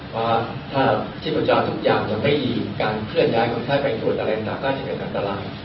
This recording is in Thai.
ว่าถ้าชิพจารณ์ทุกอย่างจะไม่ยินการเคลื่อนย้ายคนไข้ไปตรวจอะไรต่างก็จะเป็นอันตราย